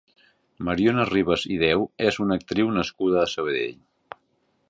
Mariona Ribas i Deu és una actriu nascuda a Sabadell.